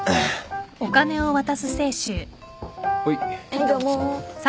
はいどうも。